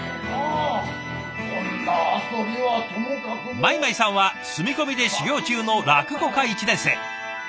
米舞さんは住み込みで修業中の落語家１年生。